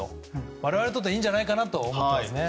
我々にとってはいいんじゃないかと思っています。